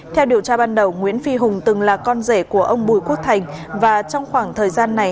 theo điều tra ban đầu nguyễn phi hùng từng là con rể của ông bùi quốc thành và trong khoảng thời gian này